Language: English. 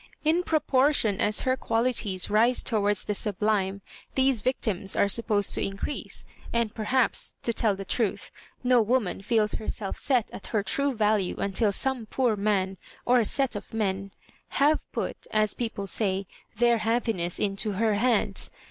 In proportion as her qualities rise towards the sublime, these vic tims are supposed to increase ; and perhaps, to tell the truth, no woman feels herself set at her true value until some poor man, or set of men, have put, as people say, their happiness into her hands.